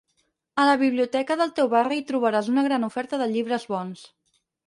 A la biblioteca del teu barri hi trobaràs una gran oferta de llibres bons.